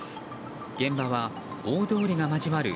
現場は大通りが交わる